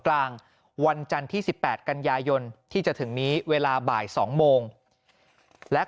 กลางวันจันทร์ที่๑๘กันยายนที่จะถึงนี้เวลาบ่าย๒โมงและ